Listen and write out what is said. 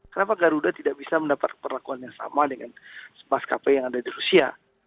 kenapa garuda tidak bisa mendapat perlakuan yang sama dengan maskapai yang ada di rusia